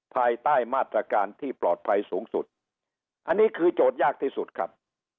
ภายใต้มาตรการที่ปลอดภัยสูงสุดอันนี้คือโจทย์ยากที่สุดครับ